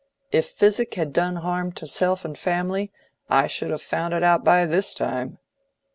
If physic had done harm to self and family, I should have found it out by this time."